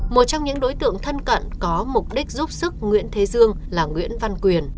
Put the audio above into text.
một trong những đối tượng thân cận có mục đích giúp sức nguyễn thế dương là nguyễn văn quyền